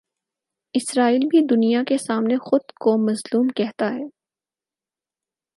اسرائیل بھی دنیا کے سامنے خو دکو مظلوم کہتا ہے۔